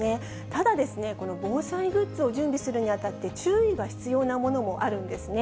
ただですね、この防災グッズを準備するにあたって、注意が必要なものもあるんですね。